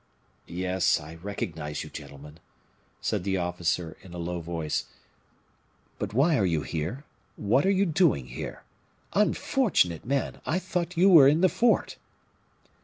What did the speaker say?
"Yes, I recognize you, gentlemen," said the officer, in a low voice. "But why are you here what are you doing, here? Unfortunate men! I thought you were in the fort."